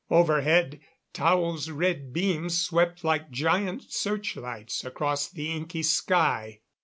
Overhead Tao's red beams swept like giant search lights across the inky sky.